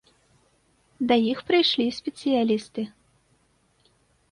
Да іх прыйшлі спецыялісты.